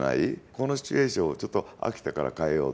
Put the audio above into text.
このシチュエーションをちょっと飽きたから変えよう。